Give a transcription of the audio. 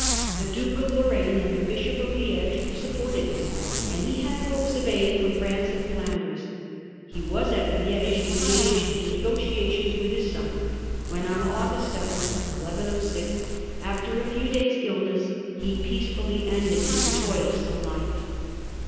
The Duke of Lorraine and the Bishop of Liege supported him, and he had hopes of aid from France and Flanders. He was at Liege engaged in negotiations with his son when, on August 7th, 1106, after a few days' ill ness, he peacefully ended his toilsome life.